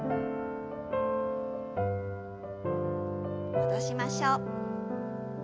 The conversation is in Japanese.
戻しましょう。